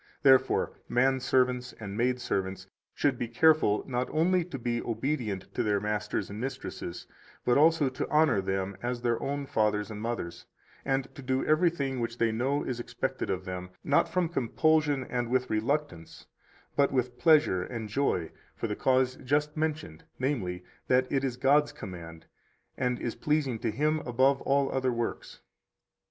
Therefore man servants and maid servants should be careful not only to be obedient to their masters and mistresses, but also to honor them as their own fathers and mothers, and to do everything which they know is expected of them, not from compulsion and with reluctance, but with pleasure and joy for the cause just mentioned, namely, that it is God's command and is pleasing to Him above all other works.